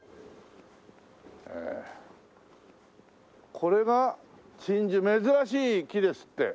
これが珍樹珍しい木ですって。